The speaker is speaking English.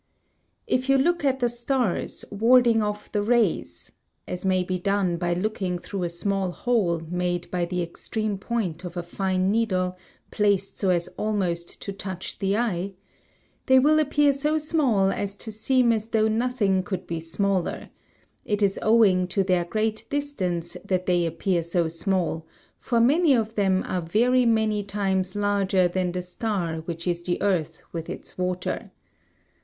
If you look at the stars, warding off the rays (as may be done by looking through a small hole made by the extreme point of a fine needle placed so as almost to touch the eye), they will appear so small as to seem as though nothing could be smaller; it is owing to their great distance that they appear so small, for many of them are very many times larger than the star which is the earth with its water.